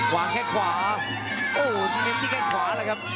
วางแค่ขวาโอ้โหไม่มีแค่ขวาแล้วครับ